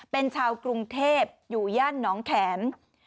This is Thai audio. เป็นชาวกรุงเทพอยู่ย่านน้องแข็ม